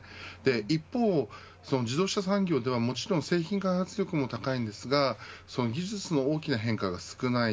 一方、自動車産業というのはもちろん製品開発力も高いですが技術の大きな変化が少ない。